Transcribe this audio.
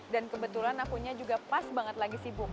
dan kebetulan akunya juga pas banget lagi sibuk